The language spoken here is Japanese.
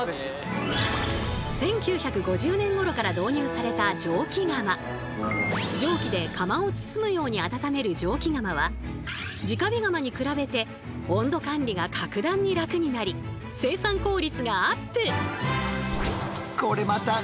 しかしこの蒸気で釜を包むように温める蒸気釜は直火釜に比べて温度管理が格段に楽になり生産効率がアップ！